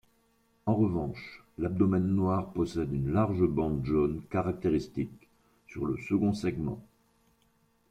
En revanche, l’abdomen noir possède une large bande jaune caractéristique sur le second segment.